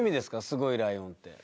すごいライオンって。